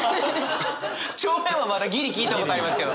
帳面はまだギリ聞いたことありますけど。